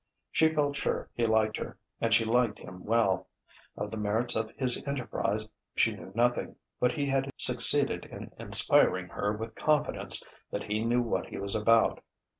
She felt sure he liked her. And she liked him well. Of the merits of his enterprise she knew nothing, but he had succeeded in inspiring her with confidence that he knew what he was about.